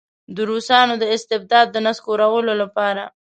د روسانو د استبداد د نسکورولو لپاره.